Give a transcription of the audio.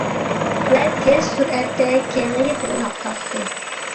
ۋە تېز سۈرئەتتە كېڭىيىپ روناق تاپتى.